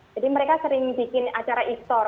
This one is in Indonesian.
jadi mereka sering bikin acara e store